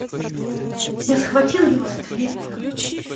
Я схватил его с трепетом.